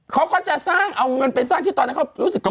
เขาก็จะสร้างเอาเงินไปสร้างที่ตอนนั้นเขารู้สึกกำ